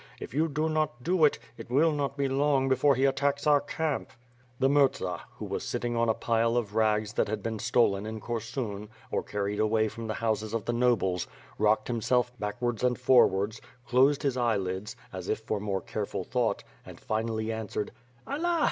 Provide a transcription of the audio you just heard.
If you do not do it, it will not be long before he attacks our camp." The Murza, who was sitting on a pile of rugs that had been stolen in Korsun, or carried away from the houses of the nobles, rocked himself backwards and forwards, closed his eyelids, as if for more careful thought, and finally answered: "Allah!